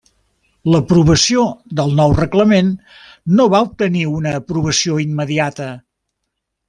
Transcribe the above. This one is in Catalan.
L'aprovació del nou reglament no va obtenir una aprovació immediata.